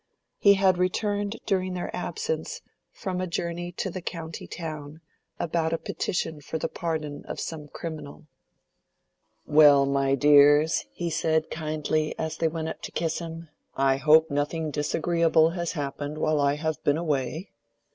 He had returned, during their absence, from a journey to the county town, about a petition for the pardon of some criminal. "Well, my dears," he said, kindly, as they went up to kiss him, "I hope nothing disagreeable has happened while I have been away."